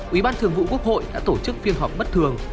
ủy ban thường vụ quốc hội đã tổ chức phiên họp bất thường